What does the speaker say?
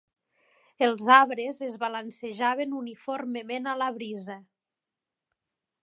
Els arbres es balancejaven uniformement a la brisa.